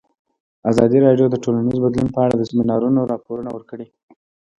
ازادي راډیو د ټولنیز بدلون په اړه د سیمینارونو راپورونه ورکړي.